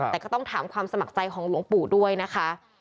แต่ก็ต้องถามความสมัครใจของหลวงปู่ด้วยนะคะ